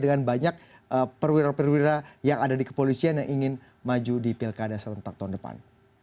dengan banyak perwira perwira yang ada di kepolisian yang ingin maju di pilkada serentak tahun depan